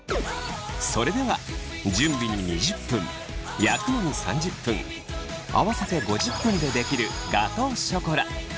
それでは準備に２０分焼くのに３０分合わせて５０分でできるガトーショコラ。